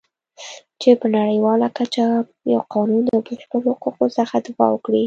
چې په نړیواله کچه یو قانون د بشرحقوقو څخه دفاع وکړي.